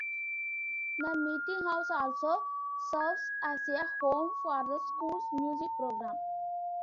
The Meetinghouse also serves as a home for the school's music program.